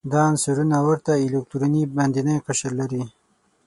دا عنصرونه ورته الکتروني باندینی قشر لري.